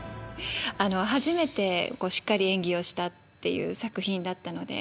初めてしっかり演技をしたっていう作品だったので。